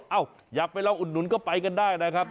อยากไปลองอุดหนุนก็ไปกันได้นะครับ